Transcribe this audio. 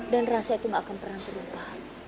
dan rasa itu gak akan pernah terlupa